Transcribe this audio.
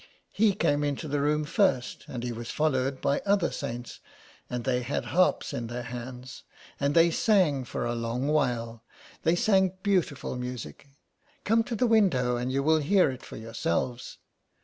He came into the room first, and he was followed by other saints, and they had harps in their hands, and they sang for a long while; they sang beautiful music. Come to the window and you will hear it for yourselves.